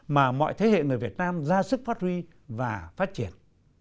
mà mọi thế hệ người việt nam ra sức phát huy và phát triển